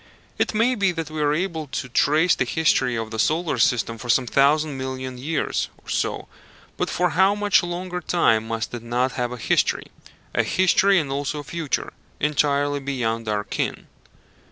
It may be that we are able to trace the history of the solar system for some thousand million years or so; but for how much longer time must it not have a history a history, and also a future entirely beyond our ken?